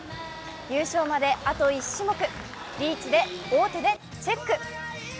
優勝まであと１種目、リーチで王手でチェック。